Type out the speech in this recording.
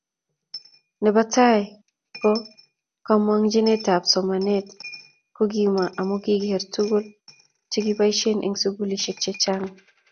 nebo tai ko, komagigochi somanet kogima amu kireer tuguk chegiboishen eng sugulishek chechang